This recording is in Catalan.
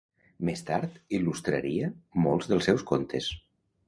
Més tard, il·lustraria molts dels seus contes.